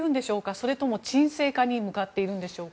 それとも鎮静化に向かっているんでしょうか。